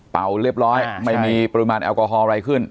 เรียบร้อยไม่มีปริมาณแอลกอฮอล์อะไรขึ้น